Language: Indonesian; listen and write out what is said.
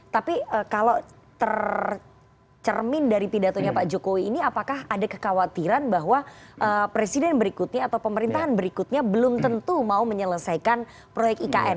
tapi kalau tercermin dari pidatonya pak jokowi ini apakah ada kekhawatiran bahwa presiden berikutnya atau pemerintahan berikutnya belum tentu mau menyelesaikan proyek ikn